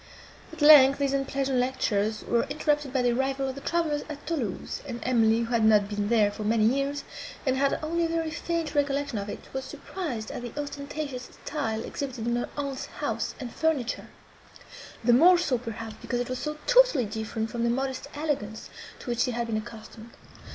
At length, these unpleasant lectures were interrupted by the arrival of the travellers at Thoulouse; and Emily, who had not been there for many years, and had only a very faint recollection of it, was surprised at the ostentatious style exhibited in her aunt's house and furniture; the more so, perhaps, because it was so totally different from the modest elegance, to which she had been accustomed.